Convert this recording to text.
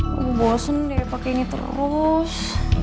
gua bosen deh pake ini terus